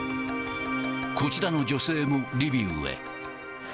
こちらの女性もリビウへ。